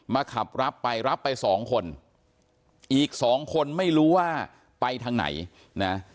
ขับรับไปรับไปสองคนอีกสองคนไม่รู้ว่าไปทางไหนนะ